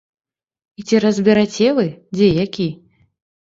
І ці разбераце вы, дзе які?